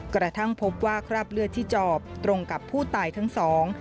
กระทั่งพบว่าคราบเลือดที่จอบตรงกับผู้ตายทั้งสอง